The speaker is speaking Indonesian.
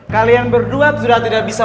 kalian berdua sudah tidak bisa